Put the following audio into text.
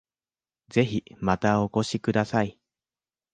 ぜひまたお越しください